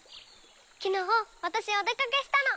きのうわたしお出かけしたの。